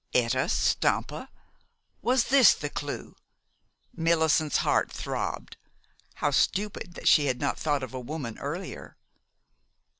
Etta Stampa! Was this the clew? Millicent's heart throbbed. How stupid that she had not thought of a woman earlier!